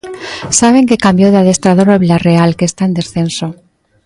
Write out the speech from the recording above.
Saben que cambiou de adestrador o Vilarreal, que está en descenso.